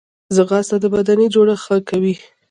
ځغاسته د بدني جوړښت ښه کوي